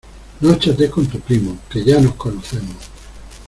No chatees con tu primo, ¡que ya nos conocemos!